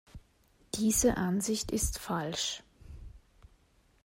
Diese Ansicht ist falsch.